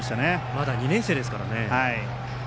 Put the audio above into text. まだ２年生ですからね。